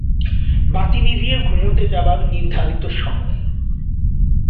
বাতি নিভিয়ে ঘুমুতে যাবার নির্ধারিত সময়।